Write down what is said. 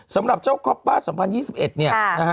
สำหรับเจ้าครอบคร่าวสังพันธ์๒๐๒๑เนี่ย